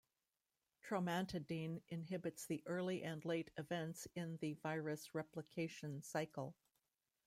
Tromantadine inhibits the early and late events in the virus replication cycle.